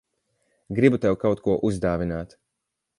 Gribu tev kaut ko uzdāvināt.